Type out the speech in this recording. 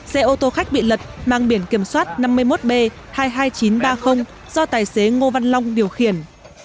xe ô tô khách bị lật mang biển kiểm soát năm mươi một b hai mươi hai nghìn chín trăm ba mươi do tài xế ngô văn long điều khiển